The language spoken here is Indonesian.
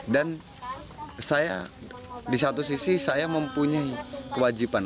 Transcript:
dan saya di satu sisi saya mempunyai kewajiban